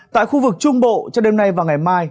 tại khu vực trung bộ cho đêm nay và ngày mai